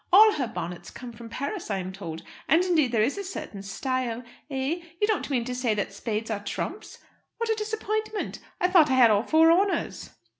All her bonnets come from Paris, I am told. And indeed there is a certain style Eh? You don't mean to say that spades are trumps? What a disappointment! I thought I had all four honours."